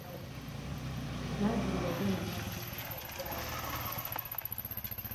Nanziri yagenda n'abeera ne jjajja we.